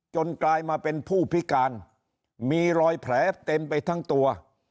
กลายมาเป็นผู้พิการมีรอยแผลเต็มไปทั้งตัว